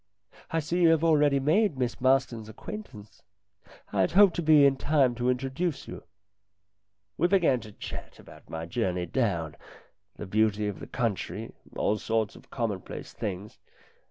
I see you have already made Miss Marston's acquaintance. I had hoped to be in time to introduce you." We began to chat about my journey down, the beauty of the country, all sorts of commonplace things.